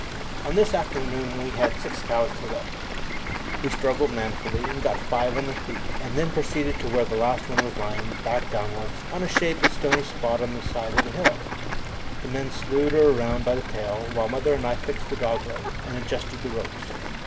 On this afternoon we had six cows to lift. We struggled manfully, and got five on their feet, and then proceeded to where the last one was lying, back downwards, on a shadeless stony spot on the side of a hill. The men slewed her round by the tail, while mother and I fixed the dog leg and adjusted the ropes.